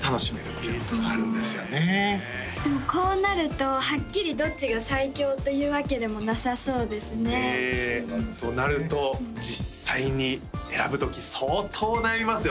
こうなるとはっきりどっちが最強というわけでもなさそうですねとなると実際に選ぶとき相当悩みますよ